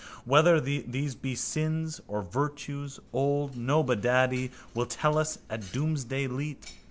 Whether these be sins or virtues old Nobodaddy will tell us at doomsday leet.